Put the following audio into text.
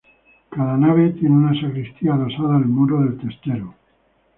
Cada nave tiene una sacristía adosada al muro del testero.